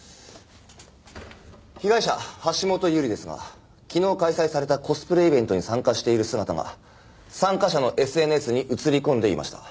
被害者橋本優里ですが昨日開催されたコスプレイベントに参加している姿が参加者のＳＮＳに写り込んでいました。